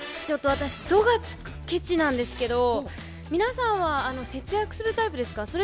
ちょっと私「ど」がつくケチなんですけど皆さんは節約するタイプですか？